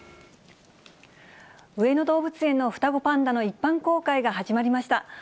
上野動物園の双子パンダの一般公開が始まりました。